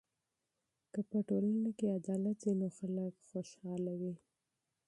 که په ټولنه کې عدالت وي نو خلک خوشحاله وي.